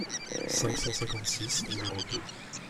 cinq cent cinquante-six, nº deux).